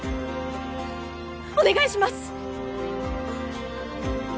お願いします！